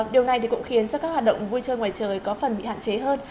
điều này thì cũng khiến cho các hoạt động vui chơi ngoài trời có phần bị hạn chế hơn